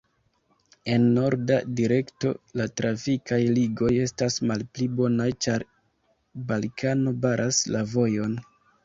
En norda direkto la trafikaj ligoj estas malpli bonaj, ĉar Balkano baras la vojon.